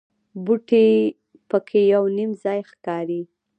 بوټي په کې یو نیم ځای ښکاري.